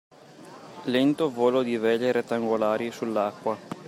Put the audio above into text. Lento volo di vele rettangolari sull’acqua